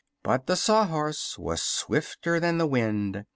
But the Sawhorse was swifter than the wind.